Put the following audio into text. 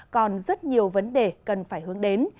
còn rất nhiều vấn đề cần phải hướng đến